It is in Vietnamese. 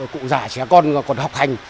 cụ già trẻ con còn học hành